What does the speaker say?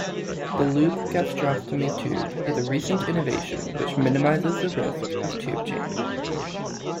The loop-gastrostomy tube is a recent innovation which minimizes the risks of tube change.